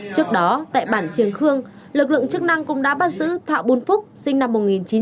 trước đó tại bản triều khương lực lượng chức năng cũng đã bắt giữ thảo bùn phúc sinh năm một nghìn chín trăm bảy mươi bảy